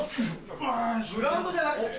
グラウンドじゃなくて？